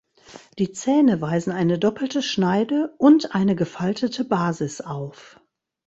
Die Zähne weisen eine doppelte Schneide und eine gefaltete Basis auf.